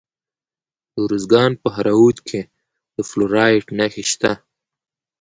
د ارزګان په دهراوود کې د فلورایټ نښې شته.